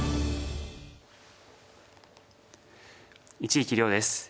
一力遼です。